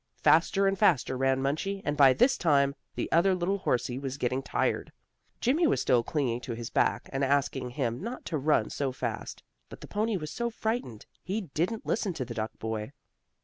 Faster and faster ran Munchie, and by this time the other little horsie was getting tired. Jimmie was still clinging to his back, and asking him not to run so fast, but the pony was so frightened he didn't listen to the duck boy.